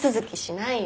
ないよ。